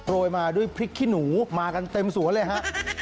มาด้วยพริกขี้หนูมากันเต็มสวนเลยฮะ